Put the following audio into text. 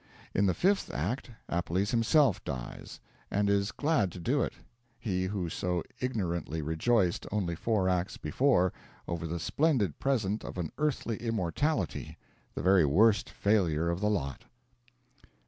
In the fifth act, Appelles himself dies, and is glad to do it; he who so ignorantly rejoiced, only four acts before, over the splendid present of an earthly immortality the very worst failure of the lot!